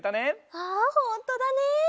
あほんとだね！